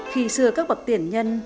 khi xưa các bậc tiền nhân